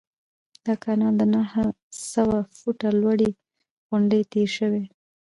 دا کانال د نهه سوه فوټه لوړې غونډۍ تیر شوی.